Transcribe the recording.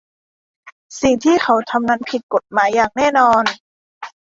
สิ่งที่เขาทำนั้นผิดกฎหมายอย่างแน่นอน